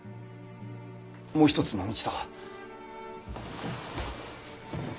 もう一つの道とは？